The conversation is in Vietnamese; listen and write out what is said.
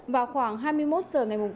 vào khoảng hai mươi một h ngày tám